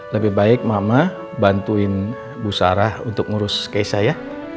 lebih baik mama bantuin bu sarah untuk ngurus kay saya